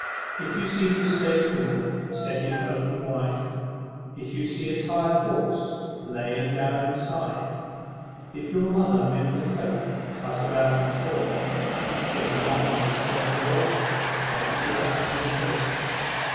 If you see the stable door setting open wide; If you see a tired horse lying down inside; If your mother mends a coat cut about and tore; If the lining's wet and warm, don't you ask no more!